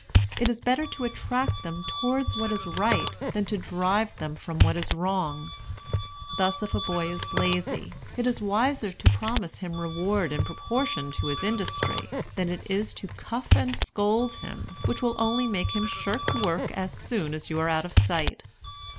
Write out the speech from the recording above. It is better to attract them toward what is right than to drive them from what is wrong. Thus if a boy is lazy, it is wiser to promise him reward in proportion to his industry, than it is to cuff and scold him, which will only make him shirk work as soon as you are out of sight.